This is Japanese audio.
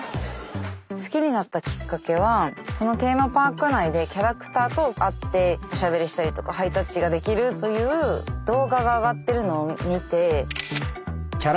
好きになったきっかけはそのテーマパーク内でキャラクターと会っておしゃべりしたりとかハイタッチができるっていう動画があがってるのを見て。